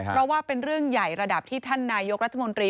เพราะว่าเป็นเรื่องใหญ่ระดับที่ท่านนายกรัฐมนตรี